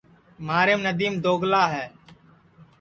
مھاریم ندیم دوگلا ہے